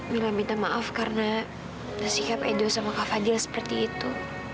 mila minta maaf karena sikap edo sama kak fadil seperti itu